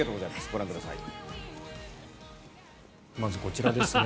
ご覧ください。